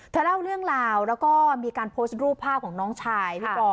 เล่าเรื่องราวแล้วก็มีการโพสต์รูปภาพของน้องชายพี่ปอ